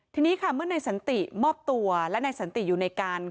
ทีนี้ค่ะเมื่อนายสันติมอบตัวและนายสันติอยู่ในการ